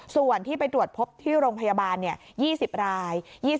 ส่วนที่ไปตรวจพบที่โรงพยาบาล๒๐ราย